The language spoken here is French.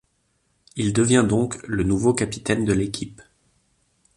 Il devient donc le nouveau capitaine de l'équipe.